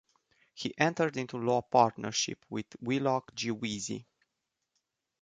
He entered into law partnership with Wheelock G. Veazey.